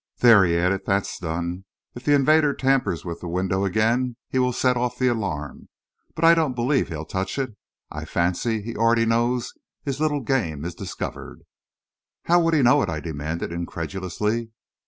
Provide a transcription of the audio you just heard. "There," he added, "that's done. If the invader tampers with the window again, he will set off the alarm. But I don't believe he'll touch it. I fancy he already knows his little game is discovered." "How would he know it?" I demanded, incredulously.